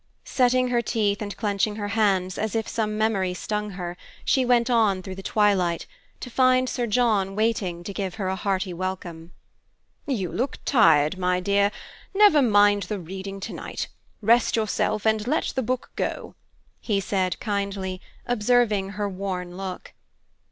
Setting her teeth and clenching her hands, as if some memory stung her, she went on through the twilight, to find Sir John waiting to give her a hearty welcome. "You look tired, my dear. Never mind the reading tonight; rest yourself, and let the book go," he said kindly, observing her worn look.